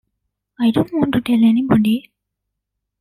I don't want to tell anybody.